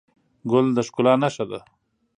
ګل د ښکلا نښه ده.